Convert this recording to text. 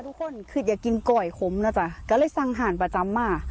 ทุกคนคืออย่ากินก่อยขมนะจ๊ะก็เลยสั่งอาหารประจำมา